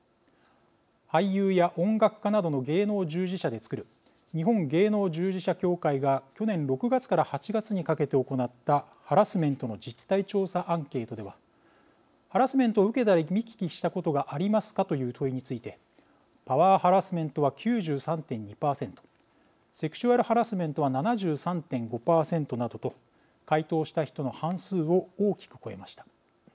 俳優や音楽家などの芸能従事者でつくる日本芸能従事者協会が去年６月から８月にかけて行ったハラスメントの実態調査アンケートではハラスメントを受けたり見聞きしたことがありますかという問いについてパワーハラスメントは９３．２％セクシュアルハラスメントは７３．５％などと回答した人の半数を大きく超えました。